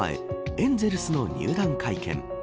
エンゼルスの入団会見。